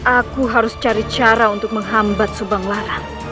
aku harus cari cara untuk menghambat subang larang